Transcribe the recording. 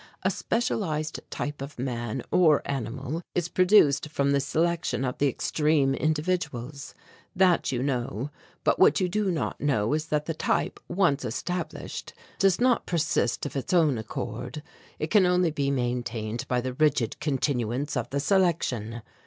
A specialized type of man or animal is produced from the selection of the extreme individuals. That you know. But what you do not know is that the type once established does not persist of its own accord. It can only be maintained by the rigid continuance of the selection.